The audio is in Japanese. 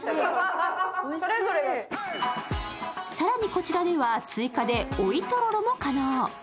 更にこちらでは、追加で追いとろろも可能。